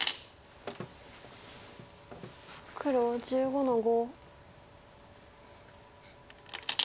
黒１５の五。